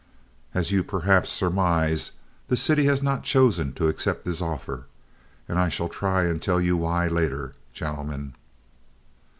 As you perhaps surmise, the city has not chosen to accept his offer, and I shall try and tell you why later, gentlemen.